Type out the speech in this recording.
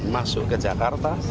masuk ke jakarta